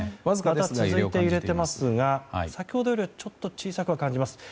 わずかですが続いて揺れていますが先ほどよりはちょっと小さくは感じます。